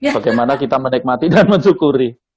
bagaimana kita menikmati dan mensyukuri